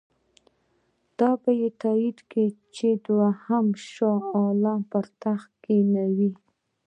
ده بیا تایید کړه چې دوهم شاه عالم به پر تخت کښېنوي.